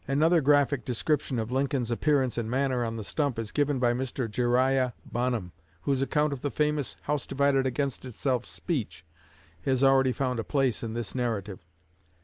Another graphic description of Lincoln's appearance and manner on the stump is given by Mr. Jeriah Bonham, whose account of the famous "house divided against itself" speech has already found a place in this narrative.